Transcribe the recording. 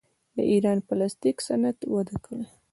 د ایران پلاستیک صنعت وده کړې.